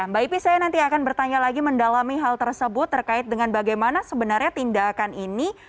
mbak ipi saya nanti akan bertanya lagi mendalami hal tersebut terkait dengan bagaimana sebenarnya tindakan ini